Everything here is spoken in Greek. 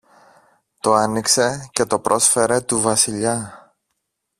το άνοιξε και το πρόσφερε του Βασιλιά